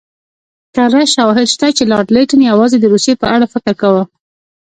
کره شواهد شته چې لارډ لیټن یوازې د روسیې په اړه فکر کاوه.